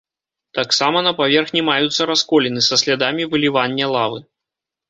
Таксама на паверхні маюцца расколіны, са слядамі вылівання лавы.